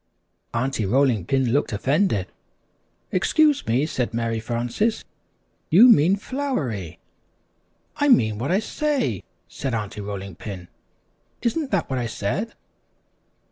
Aunty Rolling Pin looked offended. "Excuse me," said Mary Frances, "you mean 'flowery.'" "I mean what I say," said Aunty Rolling Pin; "isn't that what I said?"